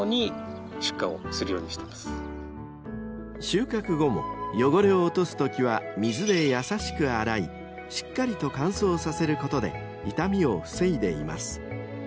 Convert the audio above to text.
［収穫後も汚れを落とすときは水で優しく洗いしっかりと乾燥させることで傷みを防いでいます］